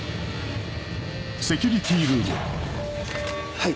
はい。